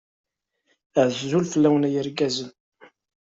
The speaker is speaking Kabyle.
Azul fell-awen a yirgazen!